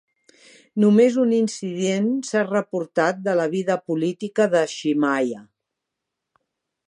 Només un incident s'ha reportat de la vida política de Shemaiah.